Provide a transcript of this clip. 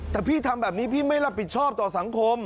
แต่พี่ทำแบบนี้พี่ไม่รับผิดชอบต่อสังคม